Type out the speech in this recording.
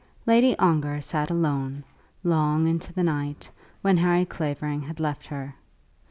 ] Lady Ongar sat alone, long into the night, when Harry Clavering had left her.